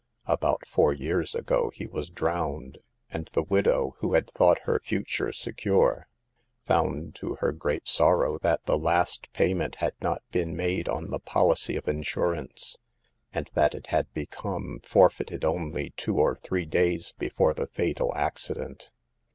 About four years ago he was drowned, and the widow, who had thought her future secure, found to her great sorrow that the last payment had not been made on the policy of insurance, and that it had become forfeited only two or three days before the fatal acci dent.